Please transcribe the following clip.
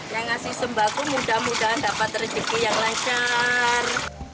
yang ngasih sembako mudah mudahan dapat rezeki yang lancar